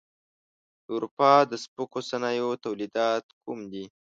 د اروپا د سپکو صنایعو تولیدات کوم دي؟